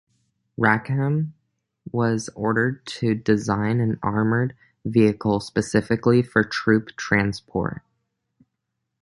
Rackham was ordered to design an armoured vehicle specifically for troop transport.